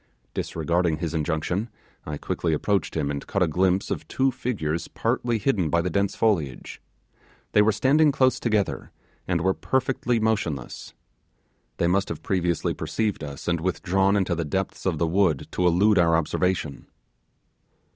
Disregarding his injunction, I quickly approached him and caught a glimpse of two figures partly hidden by the dense foliage; they were standing close together, and were perfectly motionless. They must have previously perceived us, and withdrawn into the depths of the wood to elude our observation.